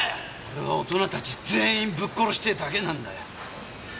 俺は大人たち全員ぶっ殺してぇだけなんだよ。